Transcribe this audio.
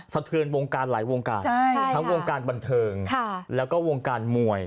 สะเทือนวงการหลายวงการทั้งวงการบันเทิงแล้วก็วงการมวย